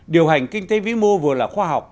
điều hành kinh tế vĩ mô vừa là khoa học